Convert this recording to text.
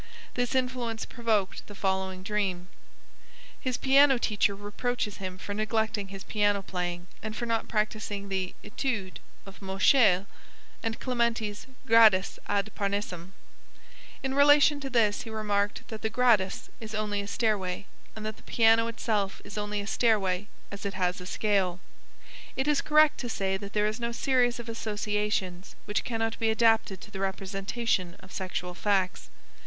This influence provoked the following dream: "His piano teacher reproaches him for neglecting his piano playing, and for not practicing the Etudes of Moscheles and Clementi's Gradus ad Parnassum." In relation to this he remarked that the Gradus is only a stairway, and that the piano itself is only a stairway as it has a scale. It is correct to say that there is no series of associations which cannot be adapted to the representation of sexual facts.